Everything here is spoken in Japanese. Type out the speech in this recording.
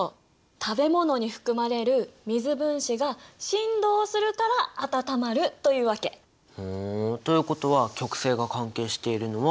食べ物に含まれる水分子が振動するから温まるというわけ。ということは極性が関係しているのは①。